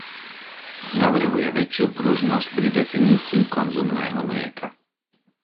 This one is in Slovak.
Navrhuje väčšiu pružnosť pri definícii konzumného mlieka.